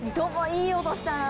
いい音したな。